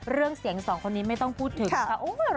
เรื่องเสียงสองคนนี้ไม่ต้องพูดถึงนะคะ